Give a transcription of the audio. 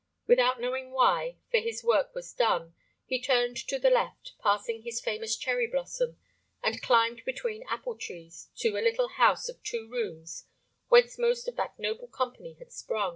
Without knowing why, for his work was done, he turned to the left, passing his famous cherry blossom, and climbed between apple trees to a little house of two rooms, whence most of that noble company had sprung.